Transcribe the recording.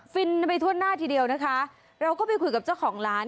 ฟินไปทั่วหน้าทีเดียวนะคะเราก็ไปคุยกับเจ้าของร้าน